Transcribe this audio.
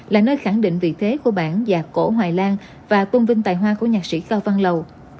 là nơi khẳng định vị thế của bản và cổ hoài lan và tôn vinh tài hoa của nhạc sĩ cao văn lầu